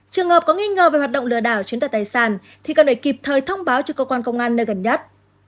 trường hợp có nghi ngờ về hoạt động lừa đảo chiếm đoạt tài sản thì cần để kịp thời thông báo cho cơ quan công an nơi gần nhất